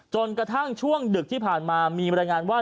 กระทั่งช่วงดึกที่ผ่านมามีบรรยายงานว่า